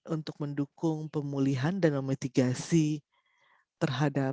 untuk mendukung pemulihan dan memitigasi terhadap